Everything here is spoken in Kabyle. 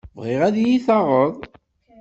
Bɣiɣ ad iyi-taɣeḍ.